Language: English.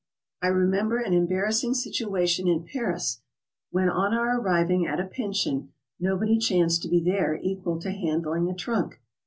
I remember an embarrassing situation in Paris when on our ai riving at a pension nobody chanced to be there equal to handling a trunk.